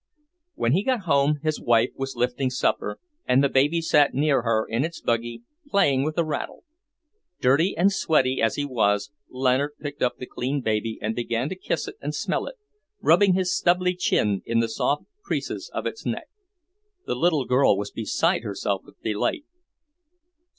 When he got home his wife was lifting supper, and the baby sat near her in its buggy, playing with a rattle. Dirty and sweaty as he was, Leonard picked up the clean baby and began to kiss it and smell it, rubbing his stubbly chin in the soft creases of its neck. The little girl was beside herself with delight.